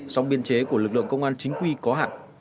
song biên chế của lực lượng công an chính quy có hạn